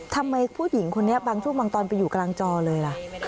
ทำไมผู้หญิงคนนี้บางช่วงบางตอนไปอยู่กลางจอเลยล่ะ